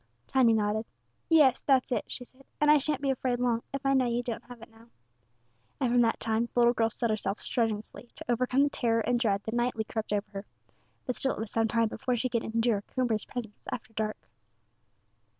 Tiny nodded. "Yes, that's it," she said; "and I shan't be afraid long if I know you don't have it now;" and from that time the little girl set herself strenuously to overcome the terror and dread that nightly crept over her; but still it was some time before she could endure Coomber's presence after dusk.